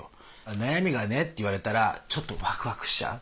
「悩みがね」って言われたらちょっとワクワクしちゃう。